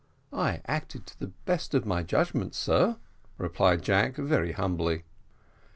"I acted to the best of my judgment, sir," replied Jack, very humbly.